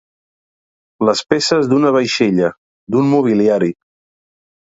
Les peces d'una vaixella, d'un mobiliari.